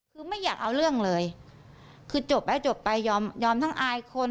คือไม่อยากเอาเรื่องเลยคือจบแล้วจบไปยอมยอมทั้งอายคน